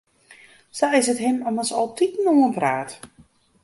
Sa is it him ommers altiten oanpraat.